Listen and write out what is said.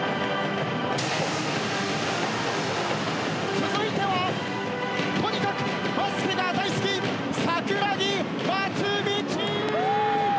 続いてはとにかくバスケが大好き桜木松道！